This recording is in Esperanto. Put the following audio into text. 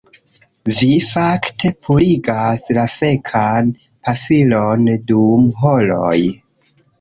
Vi fakte purigas la fekan pafilon dum horoj